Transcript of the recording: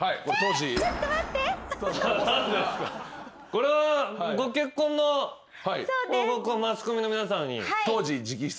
これはご結婚の報告をマスコミの皆さんに。